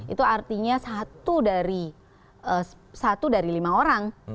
itu artinya satu dari lima orang